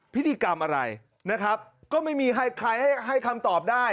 พิธีกรรมอะไรนะครับก็ไม่มีใครให้คำตอบได้